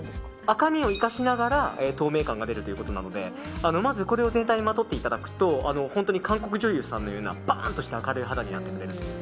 赤みを生かしながら透明感が出るということなのでまず、これを全体にまとっていただくと本当に韓国女優さんのような明るい肌になってくれる。